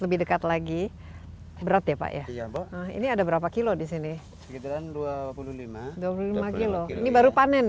lebih dekat lagi berat ya pak ya ini ada berapa kilo di sini gitu kan dua puluh lima dua puluh lima kilo ini baru panen